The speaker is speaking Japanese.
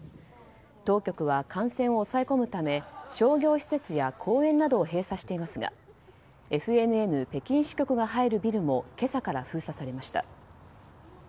当局は感染を抑え込むため商業施設や公園などを閉鎖していますがＦＮＮ北京支局が入るビルも今朝から封鎖されました。